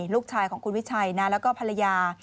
ลูกชายของคุณวิชัยนะแล้วก็ภรรยา